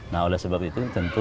nah oleh sebab itu tentu